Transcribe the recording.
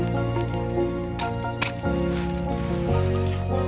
tabs alatnya masih masukan